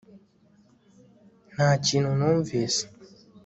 nta kintu numvise